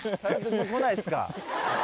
もう来ないっすか。